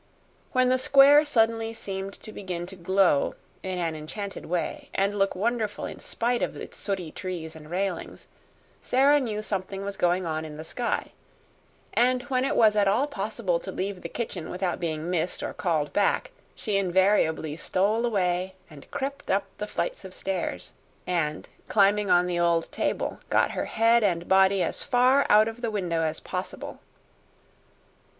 When the square suddenly seemed to begin to glow in an enchanted way and look wonderful in spite of its sooty trees and railings, Sara knew something was going on in the sky; and when it was at all possible to leave the kitchen without being missed or called back, she invariably stole away and crept up the flights of stairs, and, climbing on the old table, got her head and body as far out of the window as possible.